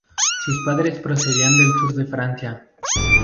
Sus padres procedían del sur de Francia.